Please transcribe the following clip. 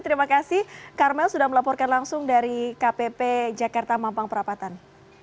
terima kasih karmel sudah melaporkan langsung dari kpp jakarta mampang perapatan